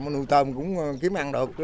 mấy lần nuôi tôm cũng kiếm ăn được